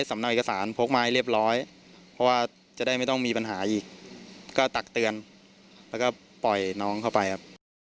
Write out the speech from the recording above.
สำเนาเอกสารพกไม้เรียบร้อยเพราะว่าจะได้ไม่ต้องมีปัญหาอีกก็ตักเตือนแล้วก็ปล่อยน้องเข้าไปครับ